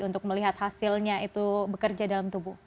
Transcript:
untuk melihat hasilnya itu bekerja dalam tubuh